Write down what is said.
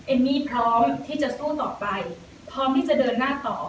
เอมมี่พร้อมที่จะสู้ต่อไปพร้อมที่จะเดินหน้าต่อ